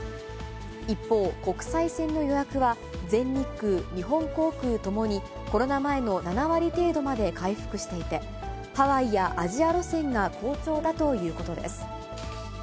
一方、国際線の予約は、全日空、日本航空ともにコロナ前の７割程度まで回復していて、ハワイやアジア路線が好調だということです。